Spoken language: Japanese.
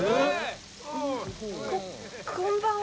ここんばんは。